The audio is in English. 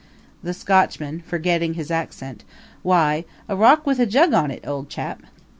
THE SCOTCHMAN (forgetting his accent) Why, a rock with a jug on it, old chap.